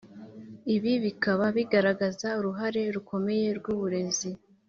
ibi bikaba bigaragaza uruhare rukomeye rw'uburezi